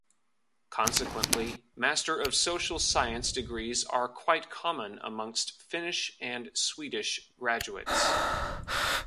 Consequently, Master of Social Science degrees are quite common amongst Finnish and Swedish graduates.